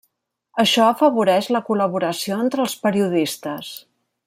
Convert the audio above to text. Això afavoreix la col·laboració entre els periodistes.